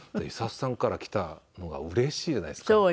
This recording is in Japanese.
イサトさんからきたのがうれしいじゃないですか。